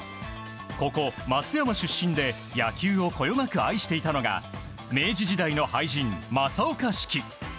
ここ、松山出身で野球をこよなく愛していたのが明治時代の俳人・正岡子規。